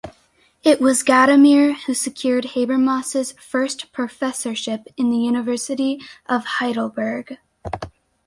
It was Gadamer who secured Habermas's first professorship in the University of Heidelberg.